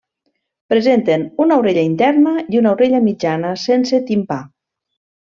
Presenten una orella interna i una orella mitjana sense timpà.